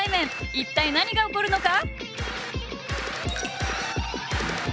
一体何が起こるのか？